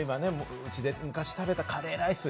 うちで昔食べたカレーライス。